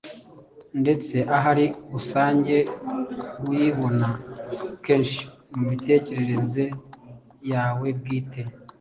ndetse ahari usange uyibona kenshi mu mitekerereze yawe bwite.